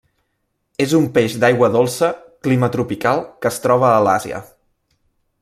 És un peix d'aigua dolça clima tropical que es troba a l'Àsia.